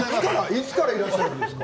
いつからいらっしゃってるんですか？